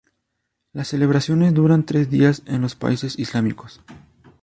Las celebraciones duran tres días en los países islámicos.